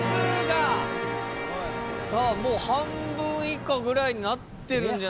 さあもう半分以下ぐらいになってるんじゃないでしょうか。